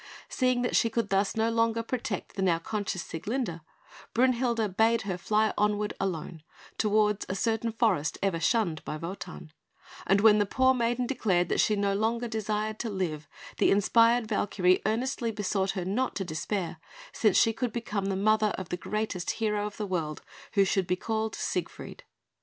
Seeing that she could thus no longer protect the now conscious Sieglinde, Brünhilde bade her fly onward alone, towards a certain forest ever shunned by Wotan; and when the poor maiden declared that she no longer desired to live, the inspired Valkyrie earnestly besought her not to despair, since she should become the mother of the greatest hero of the world, who should be called Siegfried.